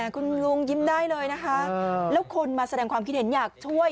คุณลุงยิ้มได้เลยนะคะแล้วคนมาแสดงความคิดเห็นอยากช่วย